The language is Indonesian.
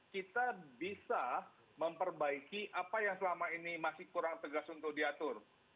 kita bisa memperbaiki apa yang selama ini masih kurang tegas untuk diatur